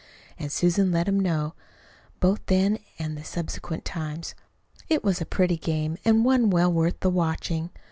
And Susan let him know, both then and at subsequent times. It was a pretty game and one well worth the watching.